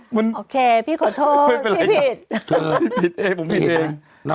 พี่ผิดผมผิดเอง